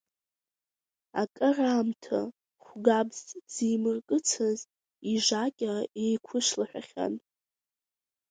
Акыр аамҭа хәгабз зимыркыцыз ижакьа еиқәышлаҳәахьан.